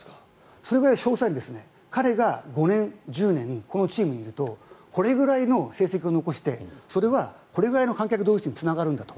それぐらい彼が５年、１０年このチームにいるとこれくらいの成績を残してそれはこれぐらいの観客動員数につながるんだと。